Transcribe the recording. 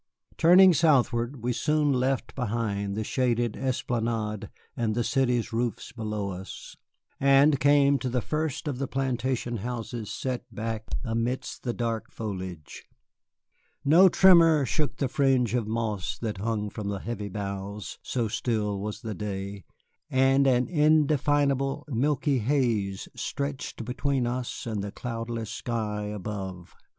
Turning southward, we soon left behind the shaded esplanade and the city's roofs below us, and came to the first of the plantation houses set back amidst the dark foliage. No tremor shook the fringe of moss that hung from the heavy boughs, so still was the day, and an indefinable, milky haze stretched between us and the cloudless sky above.